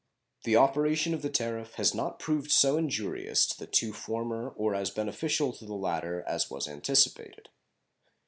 The operation of the tariff has not proved so injurious to the two former or as beneficial to the latter as was anticipated.